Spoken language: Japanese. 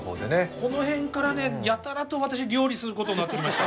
この辺からねやたらと私料理することになってきました